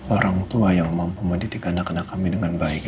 orang tua yang maafkan